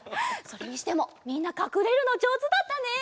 それにしてもみんなかくれるのじょうずだったね。